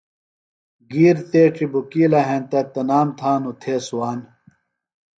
گِیر تیڇیۡ بُکِیلہ ہینتہ، تنام تھانوۡ تھےۡ صوان